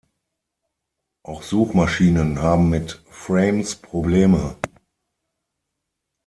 Auch Suchmaschinen haben mit Frames Probleme.